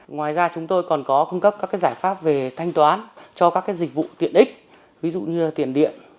ngoài ra chúng tôi còn có cung cấp các giải pháp về thanh toán cho các dịch vụ tiện ích ví dụ như tiền điện